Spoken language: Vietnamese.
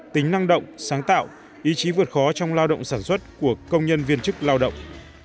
tính năng động sáng tạo ý chí vượt khó trong lao động sản xuất của công nhân viên chức lao động